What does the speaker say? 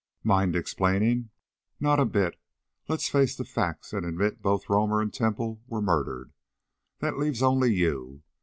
"Mind explaining?" "Not a bit. Let's face the facts and admit both Romer and Temple were murdered. That leaves only you.